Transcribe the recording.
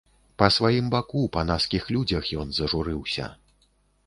Па сваім баку, па наскіх людзях ён зажурыўся.